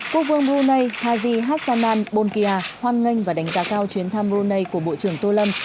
quốc vương brunei haji hassanan bolkia hoan nghênh và đánh giá cao chuyến thăm brunei của bộ trưởng tô lâm